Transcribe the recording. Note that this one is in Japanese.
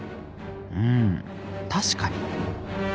うん確かに！